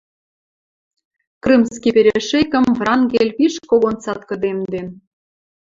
Крымский перешейкӹм Врангель пиш когон цаткыдемден.